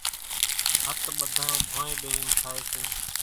ڀت ٻڌانئين ڀونئين ٻيۿين کائي سي۔